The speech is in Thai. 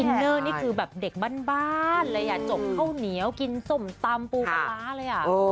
เนอร์นี่คือแบบเด็กบ้านเลยจบข้าวเหนียวกินส้มตำปูปลาร้าเลยอ่ะ